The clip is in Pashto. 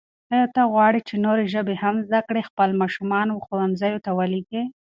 آیا ته غواړې چې نورې ژبې هم زده کړې؟ خپل ماشومان ښوونځیو ته ولېږئ.